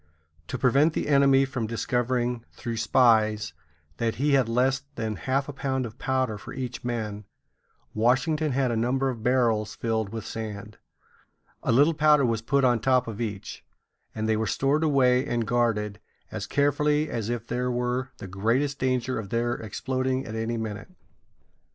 To prevent the enemy from discovering, through spies, that he had less than half a pound of powder for each man, Washington had a number of barrels filled with sand. A little powder was put on top of each, and they were stored away and guarded as carefully as if there were the greatest danger of their exploding at any minute.